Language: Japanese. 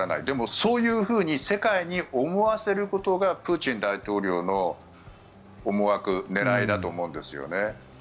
でも、そういうふうに世界に思わせることがプーチン大統領の思惑狙いだと思うんですよね。